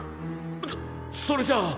そそれじゃあ。